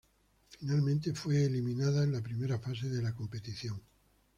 Finalmente, la fue eliminada en la primera fase de la competición.